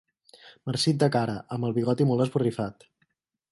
Marcit de cara, amb el bigoti molt esborrifat.